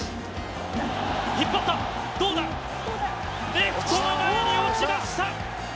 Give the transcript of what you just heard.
レフトの前に落ちました！